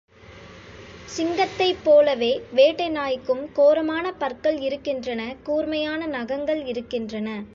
சிங்கத்தைப் போலவே வேட்டை நாய்க்கும் கோரமான பற்கள் இருக்கின்றன கூர்மையான நகங்கள் இருக்கின்றன.